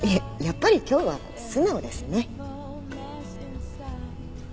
やっぱり今日は素直ですね。